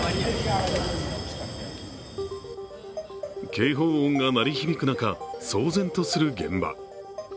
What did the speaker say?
警報音が鳴り響く中、騒然とする現場。